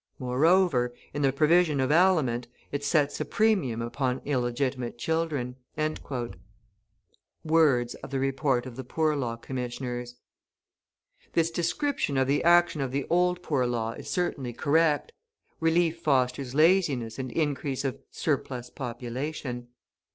Moreover, in the provision of aliment, it sets a premium upon illegitimate children." (Words of the Report of the Poor Law Commissioners.) This description of the action of the Old Poor Law is certainly correct; relief fosters laziness and increase of "surplus population."